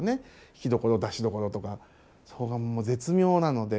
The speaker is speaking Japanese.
引きどころ出しどころとかそこが絶妙なので。